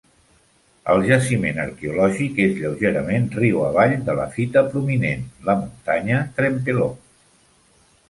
El jaciment arqueològic és lleugerament riu avall de la fita prominent, la muntanya Trempealeau.